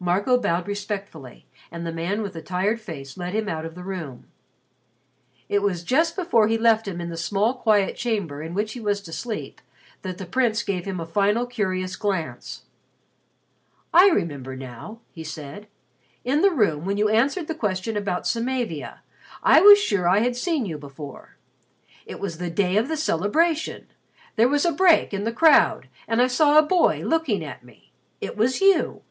Marco bowed respectfully and the man with the tired face led him out of the room. It was just before he left him in the small quiet chamber in which he was to sleep that the Prince gave him a final curious glance. "I remember now," he said. "In the room, when you answered the question about Samavia, I was sure that I had seen you before. It was the day of the celebration. There was a break in the crowd and I saw a boy looking at me. It was you."